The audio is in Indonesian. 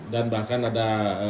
dan bahkan ada